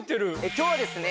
今日はですね